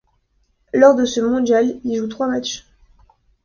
Lors de ce mondial, il joue trois matchs.